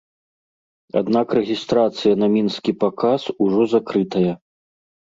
Аднак рэгістрацыя на мінскі паказ ужо закрытая.